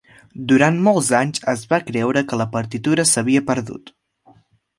Durant molts anys es va creure que la partitura s'havia perdut.